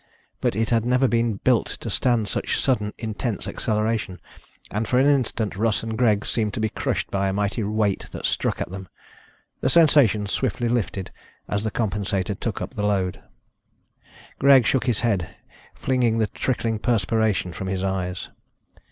But it had never been built to stand such sudden, intense acceleration, and for an instant Russ and Greg seemed to be crushed by a mighty weight that struck at them. The sensation swiftly lifted as the compensator took up the load. Greg shook his head, flinging the trickling perspiration from his eyes.